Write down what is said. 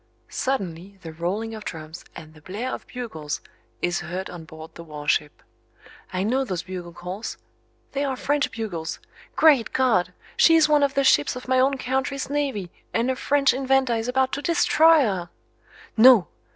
Suddenly the rolling of drums and the blare of bugles is heard on board the warship. I know those bugle calls: they are French bugles! Great God! She is one of the ships of my own country's navy and a French inventor is about to destroy her! No!